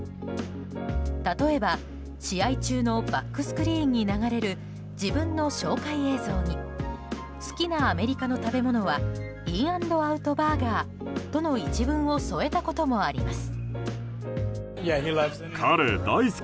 例えば、試合中のバックスクリーンに流れる自分の紹介映像に好きなアメリカの食べ物はインアンドアウト・バーガーとの一文を添えたこともあります。